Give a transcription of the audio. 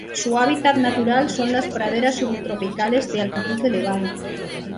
Su hábitat natural son las praderas subtropicales de altitud elevada.